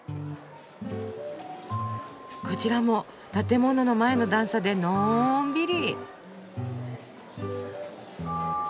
こちらも建物の前の段差でのんびり。